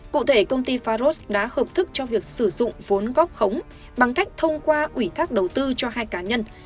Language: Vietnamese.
cụ thể công ty faros đã hợp thức cho việc sử dụng vốn góp khống bằng cách thông qua ủy thác đầu tư cho hai cá nhân